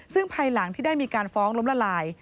ซึ่งภายหลังที่ได้มีการฟ้องล้มละลาย